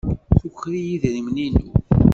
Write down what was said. Tuker-iyi idrimen-inu.